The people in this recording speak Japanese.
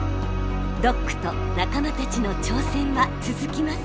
ドックと仲間たちの挑戦は続きます！